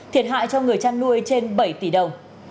thiệt hại cho người chăn nuôi trên bảy tỷ đồng